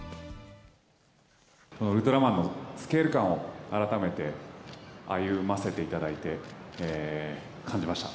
このウルトラマンのスケール感を、改めて歩ませていただいて、感じました。